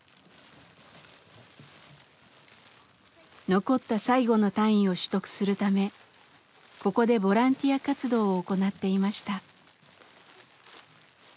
残った最後の単位を取得するためここでボランティア活動を行っていました。